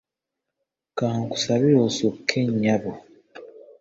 Kankusabire ossuuke nyabo.